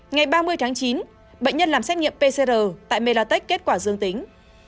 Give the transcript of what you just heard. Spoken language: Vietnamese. ngày ba mươi tháng chín bệnh nhân làm xét nghiệm pcr tại melatech kết quả dương tính